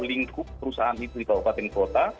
lingkup perusahaan itu di kabupaten kota